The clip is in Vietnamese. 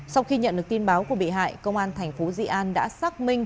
sau khi nhận được tin báo của bị hại công an thành phố di an đã xác minh